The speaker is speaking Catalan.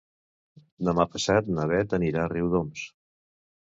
Demà passat na Beth anirà a Riudoms.